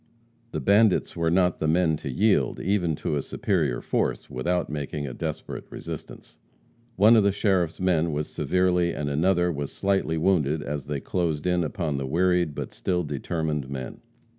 The bandits were not the men to yield, even to a superior force, without making a desperate resistance. One of the sheriff's men was severely and another was slightly wounded as they closed in upon the wearied but still determined men.